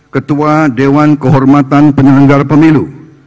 ketua dewan kehormatan penyelenggara pemilu